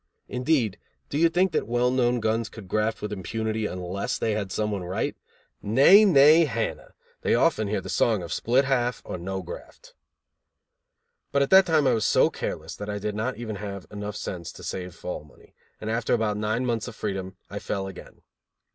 Indeed, do you think that well known guns could graft with impunity unless they had some one right? Nay! Nay! Hannah. They often hear the song of split half or no graft. But at that time I was so careless that I did not even have enough sense to save fall money, and after about nine months of freedom I fell again.